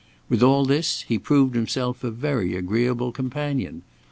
With all this, he proved himself a very agreeable companion.